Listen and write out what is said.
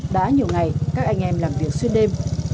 đã nhiều ngày các anh em làm việc xuyên đêm